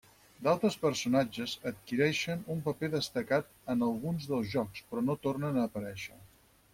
D'altres personatges adquireixen un paper destacat en alguns dels jocs però no tornen a aparèixer.